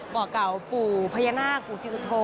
บอกเก่าปู่พญานาคปู่ศรีสุโธ